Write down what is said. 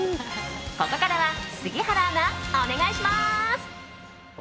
ここからは杉原アナお願いします。